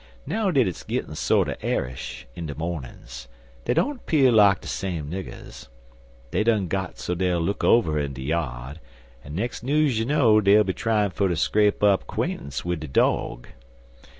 Now that it's gittin' sorter airish in de mornin's, dey don't 'pear like de same niggers. Dey done got so dey'll look over in de yard, an' nex' news you know dey'll be tryin' fer ter scrape up 'quaintence wid de dog.